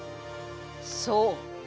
そう。